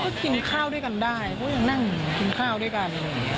ก็กินข้าวด้วยกันได้เพราะยังนั่งกินข้าวด้วยกัน